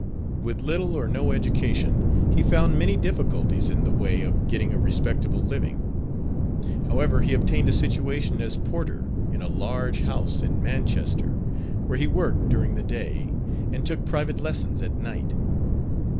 With little or no education, he found many difficulties in the way of getting a respectable living. However, he obtained a situation as porter in a large house in Manchester, where he worked during the day, and took private lessons at night.